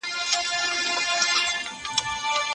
تعلیمي او فرهنګي چاري د دولتو ترمنځ انحلال نه يي.